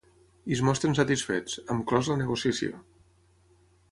I es mostren satisfets: Hem clos la negociació.